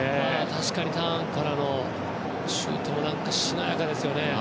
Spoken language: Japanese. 確かにターンからのシュートもしなやかですよね。